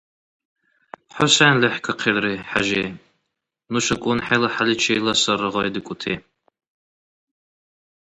ХӀу сен лехӀкахъилри, ХӀяжи, нушакӀун хӀела хяличила сарра гъайдикӀути?